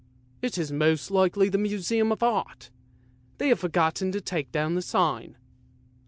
" It is most likely a Museum of Art, and they have forgotten to take down the sign."